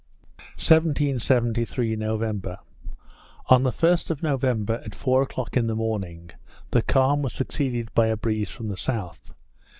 1773 November On the 1st of November, at four o'clock in the morning, the calm was succeeded by a breeze from the south.